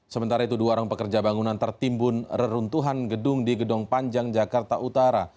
sementara itu dua orang pekerja bangunan tertimbun reruntuhan gedung di gedung panjang jakarta utara